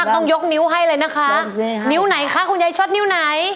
ต้องยกนิ้วให้เลยนะคะนิ้วไหนคะคุณยายชดนิ้วไหน